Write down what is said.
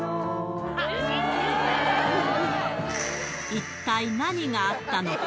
一体何があったのか。